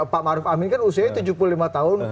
pak maruf amin kan usianya tujuh puluh lima tahun